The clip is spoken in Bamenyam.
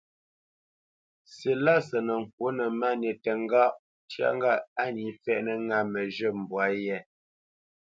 Silásə nə́ ŋkwǒ nə́ Máni tə ŋgáʼ ntyá ŋgâʼ á nǐ fɛ́ʼnə̄ ŋâ məzhə̂ mbwǎ yé.